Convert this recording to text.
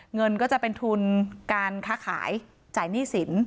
เงินก็จะเป็นทุนการค้าขายจ่ายหนี้สิน